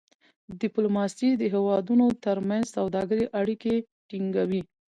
ډيپلوماسي د هېوادونو ترمنځ د سوداګری اړیکې ټینګوي.